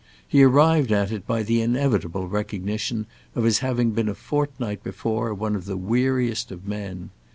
He arrived at it by the inevitable recognition of his having been a fortnight before one of the weariest of men.